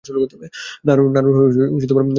নারুর বোন পালিয়ে গেছে?